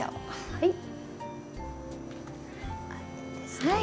はい。